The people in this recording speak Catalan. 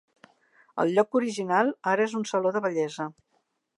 El lloc original ara és un saló de bellesa.